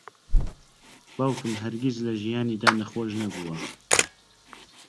باوکم هەرگیز لە ژیانیدا نەخۆش نەبووە.